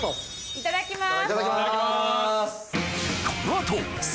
いただきます。